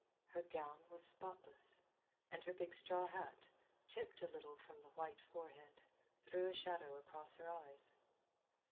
Her gown was spotless, and her big straw hat, tipped a little from the white forehead, threw a shadow across her eyes.